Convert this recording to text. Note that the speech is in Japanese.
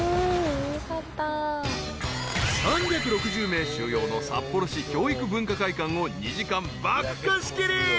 ［３６０名収容の札幌市教育文化会館を２時間爆貸し切り］